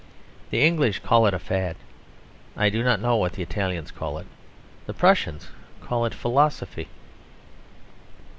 The English call it a fad. I do not know what the Italians call it; the Prussians call it philosophy.